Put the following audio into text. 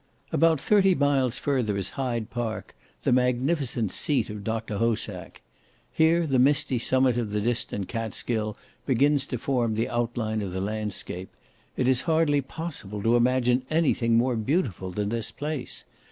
About thirty miles further is Hyde Park, the magnificent seat of Dr. Hosack; here the misty summit of the distant Kaatskill begins to form the outline of the landscape; it is hardly possible to imagine anything more beautiful than this place.